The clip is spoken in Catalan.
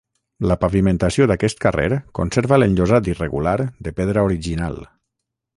La pavimentació d'aquest carrer conserva l'enllosat irregular de pedra original.